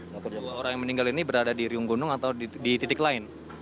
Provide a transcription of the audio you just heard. nah kedua orang yang meninggal ini berada di riung gunung atau di titik lain